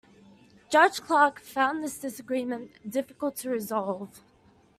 Judge Clark found this disagreement difficult to resolve.